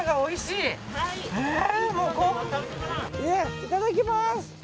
いただきます。